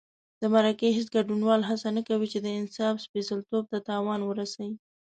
د مرکې هېڅ ګډونوال هڅه نه کوي چې د انصاف سپېڅلتوب ته تاوان ورسي.